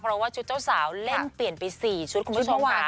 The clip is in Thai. เพราะว่าชุดเจ้าสาวเล่นเปลี่ยนไป๔ชุดคุณผู้ชมค่ะ